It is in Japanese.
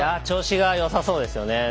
調子がよさそうですよね。